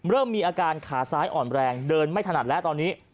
เริ่มมีอาการขาซ้ายอ่อนแรงเดินไม่ถนัดแล้วตอนนี้